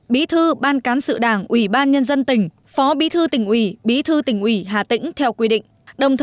bí thư ban cán sự đảng ủy ban nhân dân tỉnh phó bí thư tỉnh ủy bí thư tỉnh ủy hà tĩnh theo quy định